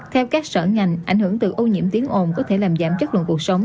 theo các sở ngành ảnh hưởng từ ô nhiễm tiếng ồn có thể làm giảm chất lượng cuộc sống